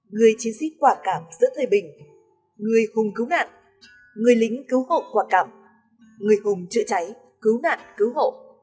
người chiến sĩ quả cảm giữa thời bình người cùng cứu nạn người lính cứu hộ quả cảm người cùng chữa cháy cứu nạn cứu hộ